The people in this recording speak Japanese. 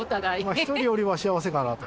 １人よりは幸せかなと。